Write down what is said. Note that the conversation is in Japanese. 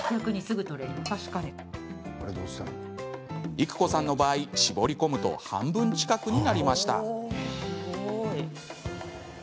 育子さんの場合、絞り込むと半分近くになりました。